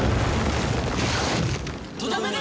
とどめだ！